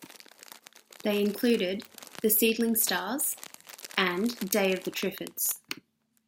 They included "The Seedling Stars" and "Day of the Triffids".